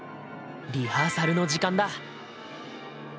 リハーサルの時間だ。